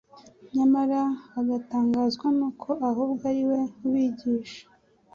nyamara bagatangazwa n'uko ahubwo ari We ubigisha